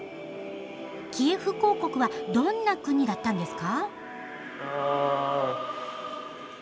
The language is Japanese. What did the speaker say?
キエフ公国はどんな国だったんですか？